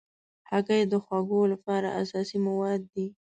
هګۍ د خواږو لپاره اساسي مواد دي.